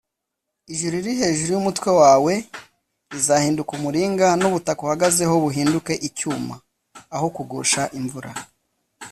Ijuru riri hejuru y’umutwe wawe rizahinduka umuringa, n’ubutaka uhagazeho buhinduke icyuma. Aho kugusha imvura,